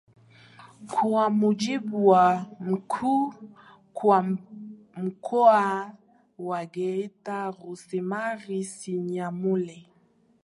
Kwa mujibu wa Mkuu wa Mkoa wa Geita Rosemary Sinyamule